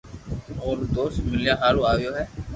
او رو دوست مليا ھارو آيو ھي